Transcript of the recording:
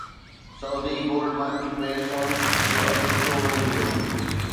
Saudi gold market ۾ سون جو اگهه ڇو وڌي ويو؟